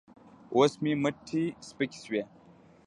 اوس مې مټې سپکې شوې.